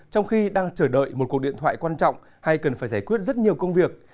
trong khi đang chờ đợi một cuộc điện thoại quan trọng hay cần phải giải quyết rất nhiều công việc